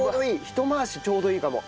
ひと回しちょうどいいかも。